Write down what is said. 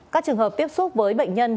các trường hợp tiếp xúc với bệnh nhân